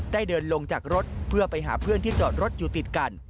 เดินลงจากรถเพื่อไปหาเพื่อนที่จอดรถอยู่ติดกัน